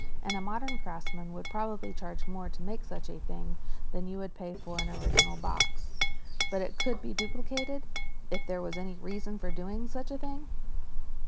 And a modern craftsman would probably charge more to make such a thing than you would pay for an original box." "But it could be duplicated—if there was any reason for doing such a thing?"